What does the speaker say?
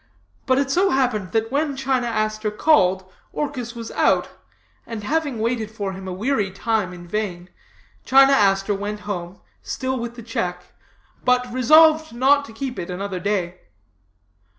But it so happened that when China Aster called, Orchis was out, and, having waited for him a weary time in vain, China Aster went home, still with the check, but still resolved not to keep it another day.